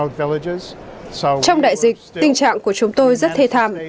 trong đại dịch tình trạng của chúng tôi rất thê thảm